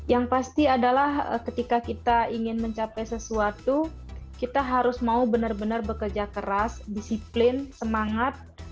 yang pasti adalah ketika kita ingin mencapai sesuatu kita harus mau benar benar bekerja keras disiplin semangat